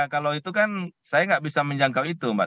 kalau itu kan saya nggak bisa menjangkau itu mbak